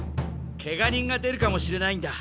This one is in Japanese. けが人が出るかもしれないんだ。